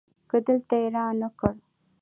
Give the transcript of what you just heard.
که دلته يي رانه کړ